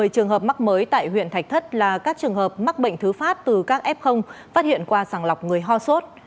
một mươi trường hợp mắc mới tại huyện thạch thất là các trường hợp mắc bệnh thứ phát từ các f phát hiện qua sàng lọc người ho sốt